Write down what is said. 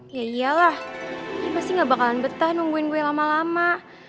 ya iyalah ini pasti gak bakalan betah nungguin gue lama lama